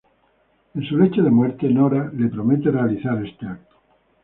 En su lecho de muerte, Nora le promete realizar este acto.